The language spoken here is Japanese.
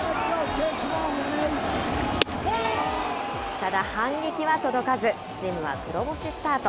ただ、反撃は届かず、チームは黒星スタート。